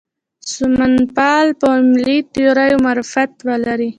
سمونپال په علمي تیوریو معرفت ولري.